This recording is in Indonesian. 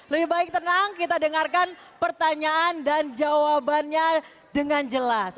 lebih baik tenang kita dengarkan pertanyaan dan jawabannya dengan jelas